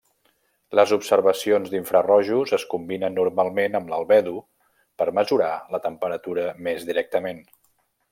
Les observacions d'infrarojos es combinen normalment amb l'albedo per mesurar la temperatura més directament.